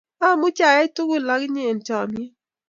Amuchi ayai tugul ak inye eng chamnyet